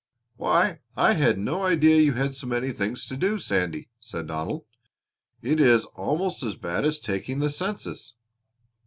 "Why, I had no idea you had so many things to do, Sandy," said Donald. "It is almost as bad as taking the census."